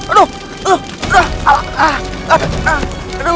aduh aduh aduh